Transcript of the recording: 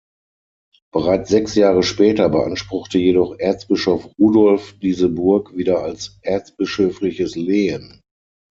Bereits sechs Jahre später beanspruchte jedoch Erzbischof Rudolf diese Burg wieder als erzbischöfliches Lehen.